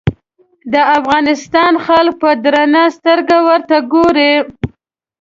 د افغانستان خلک په درنه سترګه ورته ګوري.